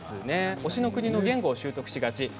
推しの国の言語を習得しがちです。